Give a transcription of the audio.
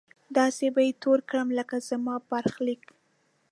داسې به يې تور کړم لکه زما برخليک